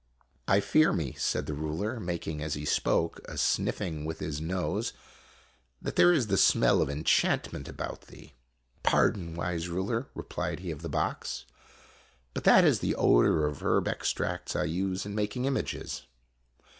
" I fear me," said the ruler, making as he spoke a sniffing' with his nose, "that there is the smell of enchantment about thee." "Pardon, wise ruler," replied he of the box; "that is but the odor of herb extracts I use in making images."